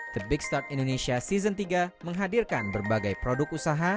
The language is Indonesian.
the big start indonesia season tiga menghadirkan berbagai produk usaha